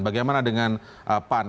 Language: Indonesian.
bagaimana dengan pan